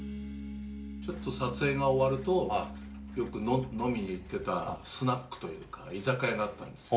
「撮影が終わるとよく飲みに行ってたスナックというか居酒屋があったんですよ」